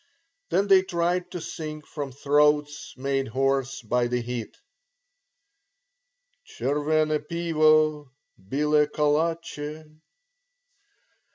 Then they tried to sing from throats made hoarse by the heat, "Chervene Pivo Bile Kolatshe."